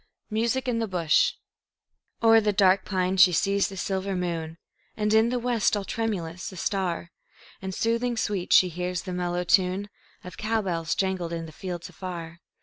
Music in the Bush O'er the dark pines she sees the silver moon, And in the west, all tremulous, a star; And soothing sweet she hears the mellow tune Of cow bells jangled in the fields afar.